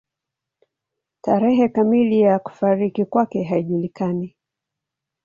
Tarehe kamili ya kufariki kwake haijulikani.